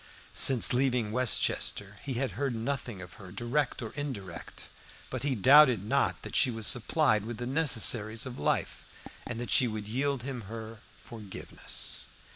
Since leaving Westchester he had heard nothing of her, direct or indirect; but he doubted not that she was supplied with the necessaries of life, and that she would yield him her forgiveness.